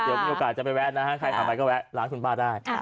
เดี๋ยวมีโอกาสจะไปแวะนะฮะใครผ่านไปก็แวะร้านคุณป้าได้